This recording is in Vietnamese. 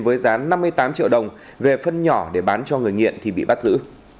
với giá năm mươi tám triệu đồng về phân nhỏ để bán cho người nghiện thì bị bắt giữ